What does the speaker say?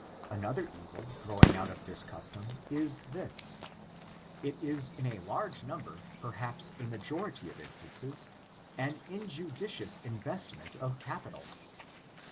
Another evil, growing out of this custom, is this : It is in a large number, perhaps a majority of instances, an injudicioiLB investment of capital.